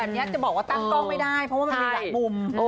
นี่ตามนี่จะบอกตั้งกล้องไม่ได้เพราะมีหลายหมุม